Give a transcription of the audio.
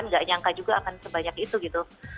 nggak nyangka juga akan sebanyak itu gitu